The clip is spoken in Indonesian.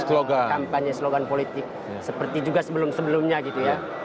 slog kampanye slogan politik seperti juga sebelum sebelumnya gitu ya